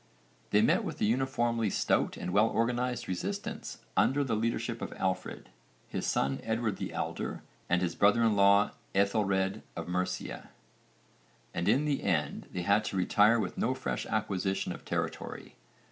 They met with a uniformly stout and well organised resistance under the leadership of Alfred, his son Edward the Elder, and his brother in law Aethelred of Mercia, and in the end they had to retire with no fresh acquisition of territory.